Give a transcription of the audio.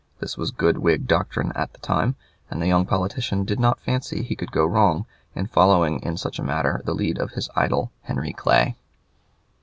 This was good Whig doctrine at that time, and the young politician did not fancy he could go wrong in following in such a matter the lead of his idol, Henry Clay.